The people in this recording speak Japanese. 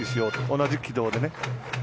同じ軌道でね。